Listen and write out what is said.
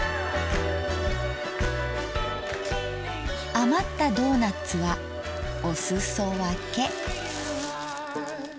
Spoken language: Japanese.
余ったドーナッツはお裾分け。